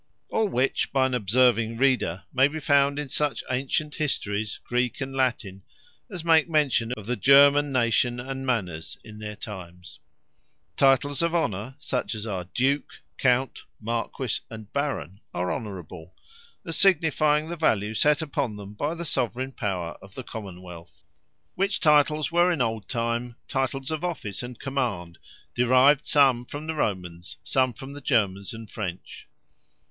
All which, by an observing Reader, may be found in such ancient Histories, Greek and Latine, as make mention of the German Nation, and Manners, in their times. Titles of Honour Titles of Honour, such as are Duke, Count, Marquis, and Baron, are Honourable; as signifying the value set upon them by the Soveraigne Power of the Common wealth: Which Titles, were in old time titles of Office, and Command, derived some from the Romans, some from the Germans, and French.